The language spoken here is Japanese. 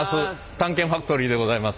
「探検ファクトリー」でございます。